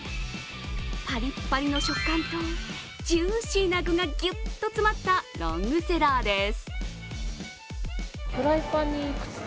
パリッパリの食感とジューシーな具がぎゅっと詰まったロングセラーです。